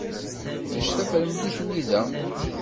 Ulac tafremlit-nni da.